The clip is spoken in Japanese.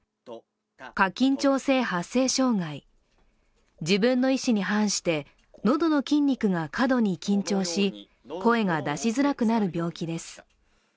過緊張性発声障害、自分の意思に反して喉の筋肉が過度に緊張し、声が出しづらくなる病気です。